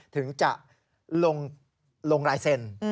ถึงจะลงลายเซ็น